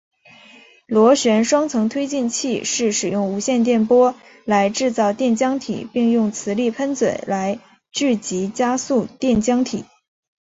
螺旋双层推进器是使用无线电波来制造电浆体并用磁力喷嘴来聚集加速电浆体。